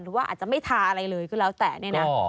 หรือว่าอาจจะไม่ทาอะไรเลยก็แล้วแต่เนี่ยนะ